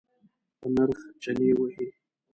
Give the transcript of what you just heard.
په نرخ چنی وهئ؟